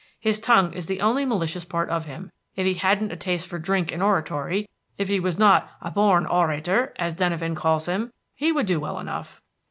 His tongue is the only malicious part of him. If he hadn't a taste for drink and oratory, if he was not 'a born horator,' as Denyven calls him, he would do well enough."